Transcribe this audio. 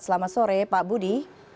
selamat sore pak budi